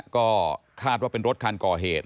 ก็คาดว่าเป็นรถคันก่อเหตุ